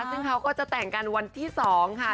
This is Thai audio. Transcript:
ซึ่งเขาก็จะแต่งกันวันที่๒ค่ะ